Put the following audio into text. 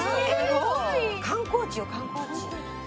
観光地よ観光地。